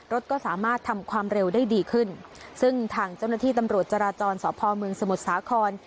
รถก็สามารถทำความเร็วได้ดีขึ้นซึ่งทางเจ้าหน้าที่ตำรวจจราจรสพเมืองสมุทรสาคร